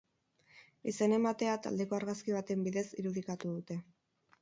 Izen-ematea taldeko argazki baten bidez irudikatu dute.